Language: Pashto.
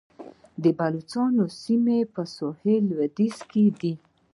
د بلوڅانو سیمې په سویل لویدیځ کې دي